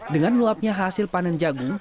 dengan meluapnya hasil panen jagung